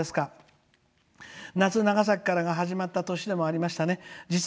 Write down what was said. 「夏・長崎から」が始まった年でもありましたね。